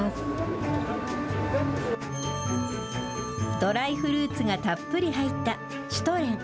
ドライフルーツがたっぷり入ったシュトレン。